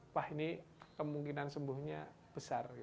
wah ini kemungkinan sembuhnya besar